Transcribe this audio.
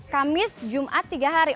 kamis jumat tiga hari